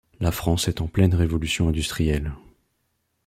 La France est en pleine révolution industrielle.